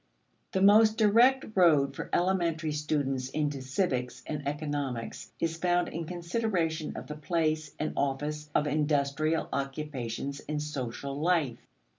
The most direct road for elementary students into civics and economics is found in consideration of the place and office of industrial occupations in social life.